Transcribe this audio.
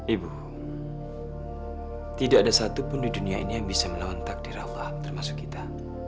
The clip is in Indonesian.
ibu tidak ada satupun di dunia ini yang bisa melawan takdir allah termasuk kita